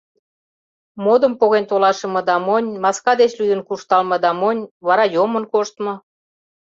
Модым поген толашыме да монь, маска деч лӱдын куржталме да монь, вара йомын коштмо.